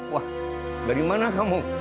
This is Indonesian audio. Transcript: wah dari mana kamu